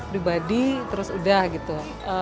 di body terus udah gitu